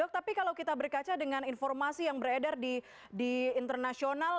dok tapi kalau kita berkaca dengan informasi yang beredar di internasional